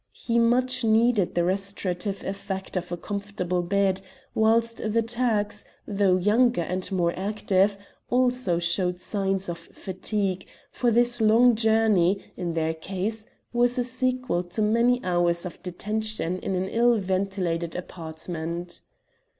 He much needed the restorative effect of a comfortable bed; whilst the Turks, though younger and more active, also showed signs of fatigue, for this long journey, in their case, was a sequel to many hours of detention in an ill ventilated apartment.